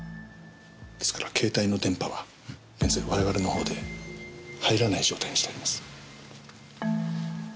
ですから携帯の電波は現在我々の方で入らない状態にしてあります。